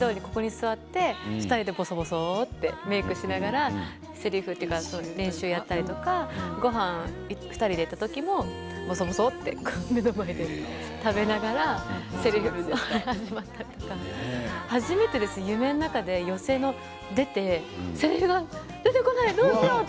それで２人でぼそぼそとメークしながらせりふの練習をやったり２人で、ごはんに行った時もぼそぼそって目の前で食べながらせりふをやったり初めてです、夢の中で寄席に出てせりふが出てこないどうしよう！